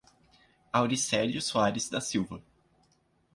Auricelio Soares da Silva